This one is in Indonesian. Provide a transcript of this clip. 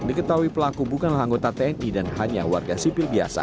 diketahui pelaku bukanlah anggota tni dan hanya warga sipil biasa